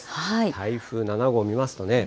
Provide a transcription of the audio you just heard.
台風７号見ますとね。